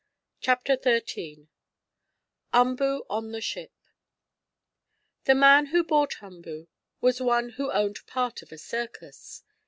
CHAPTER XIII UMBOO ON THE SHIP The man who bought Umboo was one who owned part of a circus.